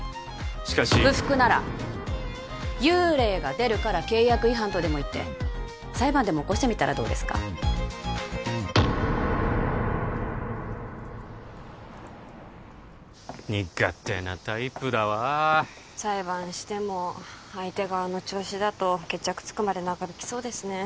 しかし不服なら幽霊が出るから契約違反とでも言って裁判でも起こしてみたらどうですか苦手なタイプだわ裁判しても相手があの調子だと決着つくまで長引きそうですね